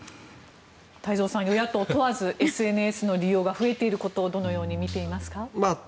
太蔵さん、与野党問わずＳＮＳの利用が増えていることをどのように見ていますか？